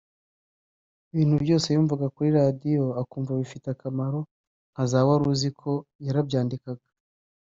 ibintu byose yumvaga kuri Radio akumva bifite akamaro nka za ’Wari Uzi ko’ yarabyandikaga